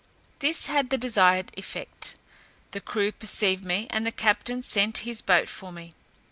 This had the desired effect; the crew perceived me, and the captain sent his boat for me.